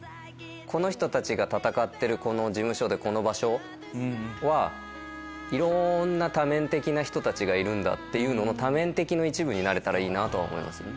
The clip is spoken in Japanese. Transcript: この人たちが戦ってるこの事務所でこの場所はいろんな多面的な人たちがいるんだっていうのの多面的の一部になれたらいいなとは思いますね。